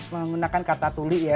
menggunakan kata tuli ya